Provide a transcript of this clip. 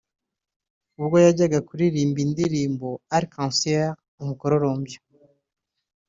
ubwo yajyaga kuririmba indirimbo Arc en ciel (Umukororombya)